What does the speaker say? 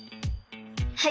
はい！